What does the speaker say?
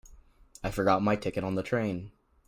I forgot my ticket on the train.